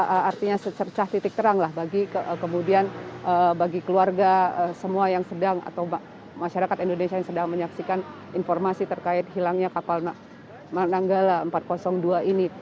artinya secercah titik terang lah bagi kemudian bagi keluarga semua yang sedang atau masyarakat indonesia yang sedang menyaksikan informasi terkait hilangnya kapal nanggala empat ratus dua ini